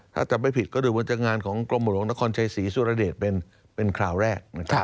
ถ้าจำไม่ผิดก็ดูว่าจะงานของกรมหลวงนครชัยศรีสุรเดชเป็นคราวแรก